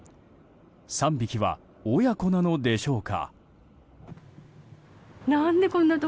３匹は親子なのでしょうか。